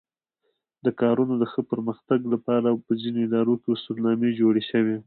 د کارونو د ښه پرمختګ لپاره په ځینو ادارو کې اصولنامې جوړې شوې.